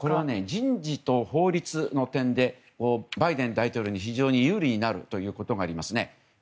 人事と法律の点でバイデン大統領に非常に有利になるということがありますね。